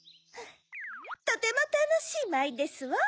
とてもたのしいまいですわ。